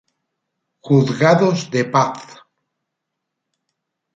Juzgados de Paz.